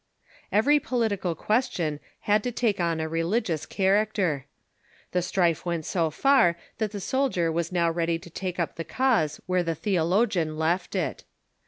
Every political question had to take on a religious character. The strife went so far that the soldier was now ready to take up the cause where the theologian left it.